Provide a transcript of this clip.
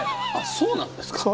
そうなんです。